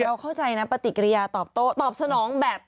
แต่เราเข้าใจนะปฏิกิริยาตบสนองแบบ